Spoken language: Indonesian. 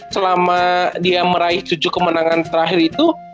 selama dia meraih tujuh kemenangan terakhir itu